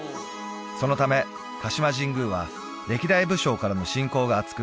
そのため鹿島神宮は歴代武将からの信仰があつく